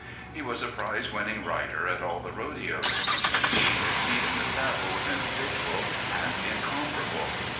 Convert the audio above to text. He was a prize winning rider at all the rodeos. Indeed, his seat in the saddle was individual and incomparable.